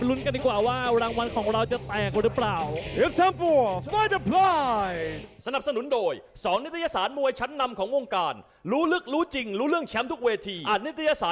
รับรุ้นกันดีกว่าว่ารางวัลของเราจะแตกหรือเปล่า